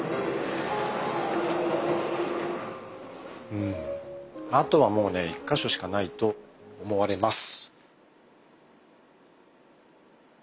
うんあとはもうね１か所しかないと思われます。